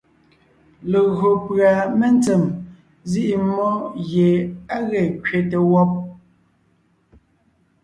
Legÿo pʉ́a mentsèm nzíʼi mmó gie á ge kẅete wɔ́b,